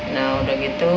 nah udah gitu